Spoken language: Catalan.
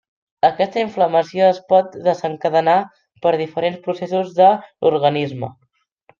Aquesta inflamació es pot desencadenar per diferents processos de l'organisme.